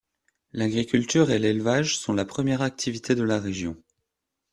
L'agriculture et l'élevage sont la première activité de la région.